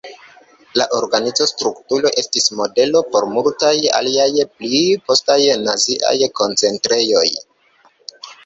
La organiza strukturo estis modelo por multaj aliaj pli postaj naziaj koncentrejoj.